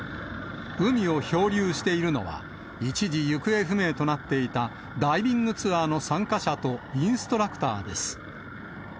海を漂流しているのは、一時行方不明となっていたダイビングツアーの参加者とインストラクターです。